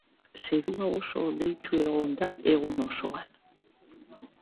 Zerua oso hodeitsu egongo da egun osoan.